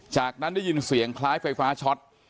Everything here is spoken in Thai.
จากนั้นได้ยินเสียงคล้ายไฟฟ้าช็อต